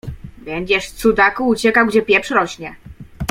Będziesz, Cudaku, uciekał, gdzie pieprz rośnie.